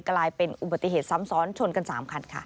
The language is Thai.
กลายเป็นอุบัติเหตุซ้ำซ้อนชนกัน๓คันค่ะ